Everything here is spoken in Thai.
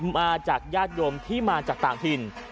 มาจากญาติโยมที่มาจากต่างถิ่น